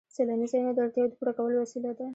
سیلاني ځایونه د اړتیاوو د پوره کولو وسیله ده.